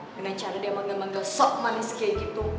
dengan cara dia manggel manggel sok manis kayak gitu